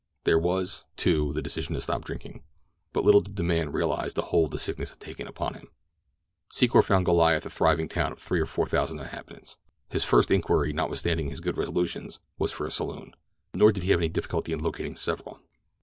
There was, too, the decision to stop drinking; but little did the man realize the hold the sickness had taken upon him. Secor found Goliath a thriving town of three or four thousand inhabitants. His first inquiry, notwithstanding his good resolutions, was for a saloon, nor did he have any difficulty in locating several.